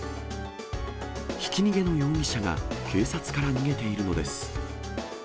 ひき逃げの容疑者が警察から逃げているのです。